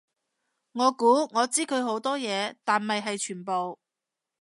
我估我知佢好多嘢，但未係全部